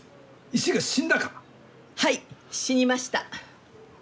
はい死にました。